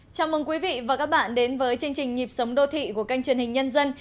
chào mừng quý vị và các bạn đến với chương trình nhịp sống đô thị của kênh truyền hình nhân dân